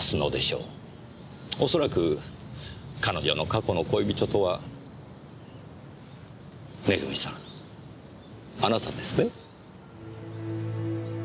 恐らく彼女の過去の恋人とは恵さんあなたですね？